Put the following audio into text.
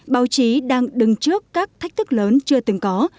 báo chí đang đứng trước các thách thức lớn chưa từng có